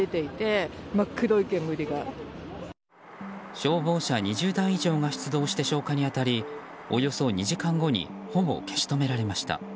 消防車２０台以上が出動して消火に当たりおよそ２時間後にほぼ消し止められました。